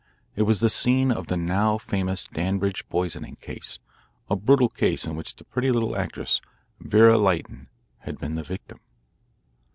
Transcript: It was the scene of the now famous Danbridge poisoning case a brutal case in which the pretty little actress, Vera Lytton, had been the victim.